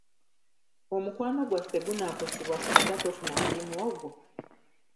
Omukwano gwaffe gunaakosebwa singa tofuna mulimu ogwo?